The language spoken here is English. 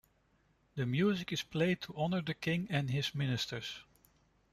The music is played to honor the King and his ministers.